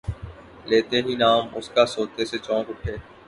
لیتے ہی نام اس کا سوتے سے چونک اٹھے